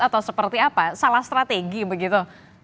atau seperti apa salah strategi begitu